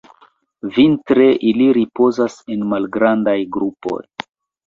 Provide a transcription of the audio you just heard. Vintre, ili ripozas en malgrandaj grupoj.